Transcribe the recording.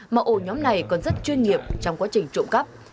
mà ổ nhóm này còn rất chuyên nghiệp trong quá trình trộm cắp